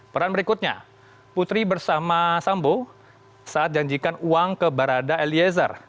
peran berikutnya putri bersama sambo saat janjikan uang ke barada eliezer